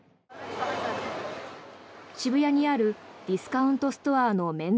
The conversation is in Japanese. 渋谷にあるディスカウントストアの免税